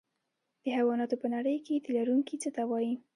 د حیواناتو په نړۍ کې تی لرونکي څه ته وایي